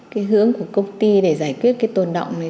cái hướng của công ty để giải quyết cái tồn động này